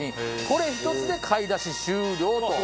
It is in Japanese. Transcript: これ１つで買い出し終了と。